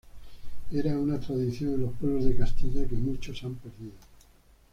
Era una tradición en los pueblos de Castilla que muchos han perdido.